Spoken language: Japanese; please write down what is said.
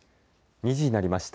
２時になりました。